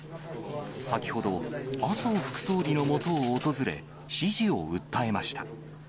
先ほど、麻生副総理のもとを訪れ、支持を訴えました。